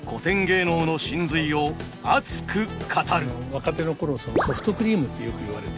若手の頃ソフトクリームってよく言われて。